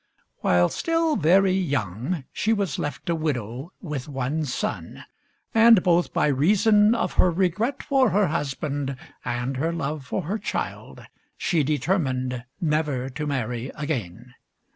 While still very young, she was left a widow with one son; and, both by reason of her regret for her husband and her love for her child, she determined never to marry again.